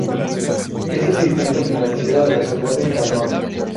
Es el distrito financiero de la ciudad de Cantón.